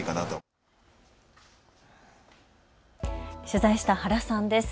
取材した原さんです。